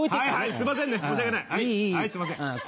すいませんね！